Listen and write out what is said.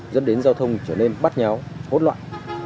dẫn đến giao thông trở nên bắt nháo hỗn loạn